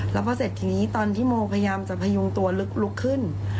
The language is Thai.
แล้วพอเสร็จทีนี้ตอนที่โมพยายามจะพยุงตัวลุกขึ้น